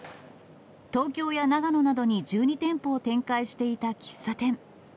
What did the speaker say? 東京や長野などに１２店舗を展開していた喫茶店。